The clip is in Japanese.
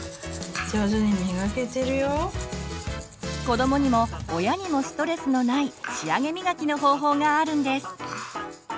子どもにも親にもストレスのない仕上げみがきの方法があるんです。